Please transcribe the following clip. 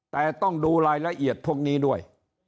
แต่ต้องดูรายละเอียดพวกนี้ด้วย